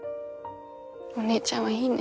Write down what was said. お姉ちゃんはいいね。